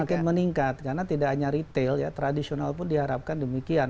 semakin meningkat karena tidak hanya retail ya tradisional pun diharapkan demikian